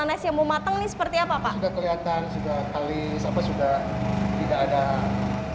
karna tersebut jadi tepetan berubah warna kecoklatan dan aroma nanas semakin menyengat